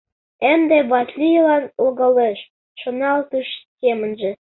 «Ынде Васлийлан логалеш, — шоналтыш семынже.